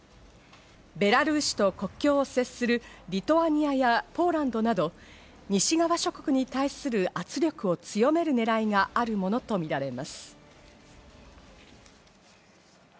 ベラルーシと国境を接するリトアニアやポーランドなど西側諸国に対する圧力を強める狙いがあるものとみられます。